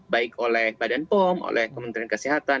baik oleh badan pom oleh kementerian kesehatan